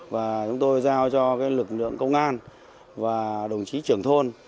và chúng tôi giao cho lực lượng công an và đồng chí trưởng thôn